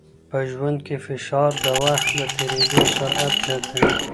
په ژوند کې فشار د وخت د تېري سرعت زیاتوي.